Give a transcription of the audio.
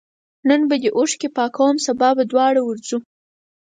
نن به دي اوښکي پاکوم سبا به دواړه ورځو